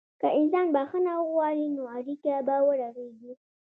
که انسان بخښنه وغواړي، نو اړیکه به ورغېږي.